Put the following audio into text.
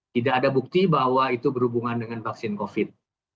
tidak ada bukti bahwa itu berhubungan dengan vaksin covid